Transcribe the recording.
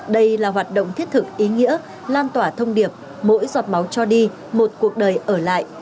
đây là hoạt động thiết thực ý nghĩa lan tỏa thông điệp mỗi giọt máu cho đi một cuộc đời ở lại